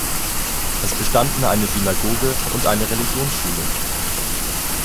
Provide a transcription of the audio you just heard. Es bestanden eine Synagoge und eine Religionsschule.